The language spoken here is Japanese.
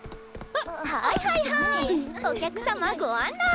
はいはいはいお客様ご案内。